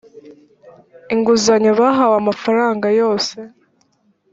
inguzanyo bahawe amafaranga yose